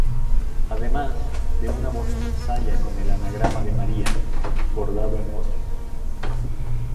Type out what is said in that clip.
Además, de una bonita saya con el anagrama de "María", bordado en oro.